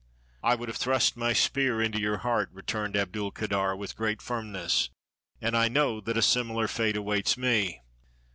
"I would have thrust my spear into your heart," returned Abdulkader with great firm ness; "and I know that a similar fate awaits me."